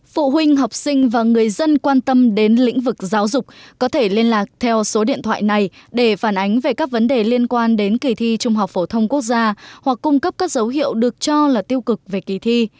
phụ huynh học sinh và người dân quan tâm đến lĩnh vực giáo dục có thể liên lạc theo số điện thoại này để phản ánh về các vấn đề liên quan đến kỳ thi trung học phổ thông quốc gia hoặc cung cấp các dấu hiệu được cho là tiêu cực về kỳ thi